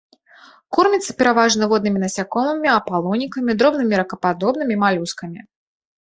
Корміцца пераважна воднымі насякомымі, апалонікамі, дробнымі ракападобнымі, малюскамі.